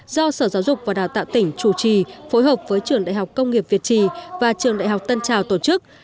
do sở giáo dục và đào tạo tỉnh chủ trì phối hợp với trường đại học công nghiệp việt trì và trường đại học tân trào tổ chức